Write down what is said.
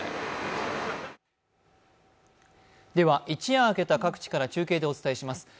一夜明けた各地から中継でお伝えします。